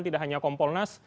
tidak hanya kompolnas